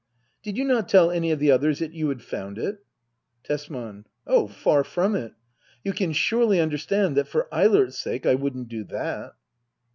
Did you not tell any of the others that you had found it ? Tesman. Oh, far from it ! You can surely understand that, for Eilert's sake, I wouldn't do that.